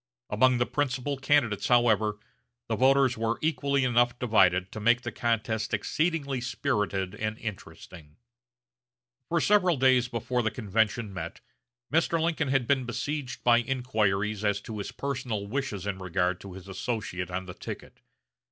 Among the principal candidates, however, the voters were equally enough divided to make the contest exceedingly spirited and interesting. For several days before the convention met Mr. Lincoln had been besieged by inquiries as to his personal wishes in regard to his associate on the ticket.